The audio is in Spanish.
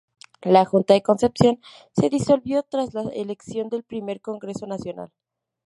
La junta de Concepción se disolvió tras la elección del Primer Congreso Nacional.